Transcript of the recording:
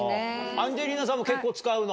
アンジェリーナさんも結構使うの？